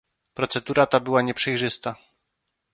Procedura ta była nieprzejrzysta